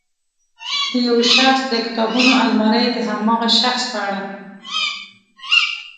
د یو شخص د کتابونو المارۍ د هماغه شخص په اړه.